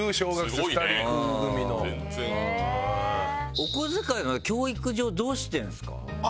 お小遣いは教育上どうしてんすか？